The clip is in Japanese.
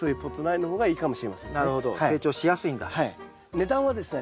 値段はですね